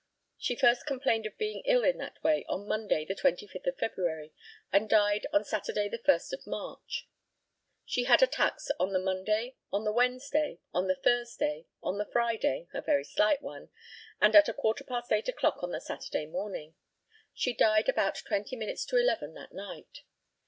She first complained of being ill in that way on Monday, the 25th of February, and died on Saturday, the 1st of March. She had attacks on the Monday, on the Wednesday, on the Thursday, on the Friday (a very slight one), and at a quarter past eight o'clock on the Saturday morning. She died about twenty minutes to eleven that night.